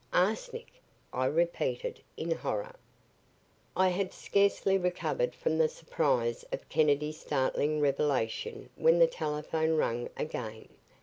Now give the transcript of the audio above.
"Arsenic!" I repeated in horror. ........ I had scarcely recovered from the surprise of Kennedy's startling revelation when the telephone rang again.